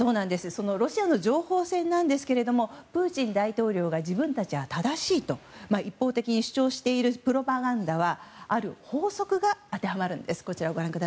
ロシアの情報戦なんですけれどもプーチン大統領が自分たちは正しいと一方的に主張しているプロパガンダはある法則が当てはまるんです。